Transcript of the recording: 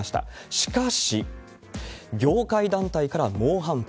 しかし、業界団体から猛反発。